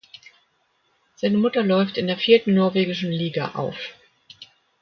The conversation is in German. Seine Mutter läuft in der vierten norwegischen Liga auf.